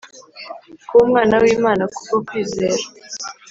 Kuba Umwana w'Imana ku bwo kwizera